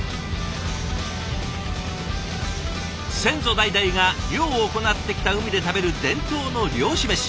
先祖代々が漁を行ってきた海で食べる伝統の漁師メシ。